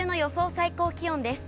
最高気温です。